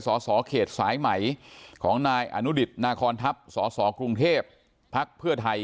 สสเขตสายใหม่ของนายอนุดิตนาคอนทัพสสกรุงเทพภักดิ์เพื่อไทย